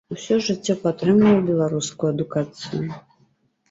Усё жыццё падтрымліваў беларускую адукацыю.